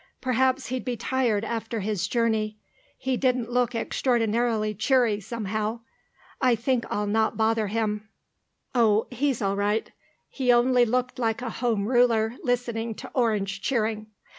Perhaps he'd be tired after his journey. He didn't look extraordinarily cheery, somehow. I think I'll not bother him." "Oh, he's all right. He only looked like a Home Ruler listening to Orange cheering.